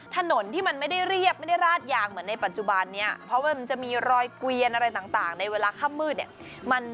ถนนที่มันไม่ได้เรียบไม่ได้ราดยางเหมือนในปัจจุบันนี้เพราะว่ามันจะมีรอยเกวียนอะไรต่างในเวลาข้ามมืดเนี่ย